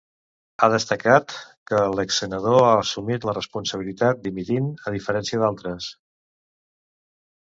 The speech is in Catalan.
Ha destacat que l'exsenador ha assumit la responsabilitat dimitint, a diferència d'altres.